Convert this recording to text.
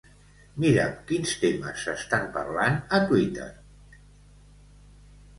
Mira quins temes s'estan parlant a Twitter.